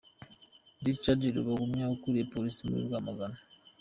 Richard Rubagumya ukuriye polisi muri Rwamagana.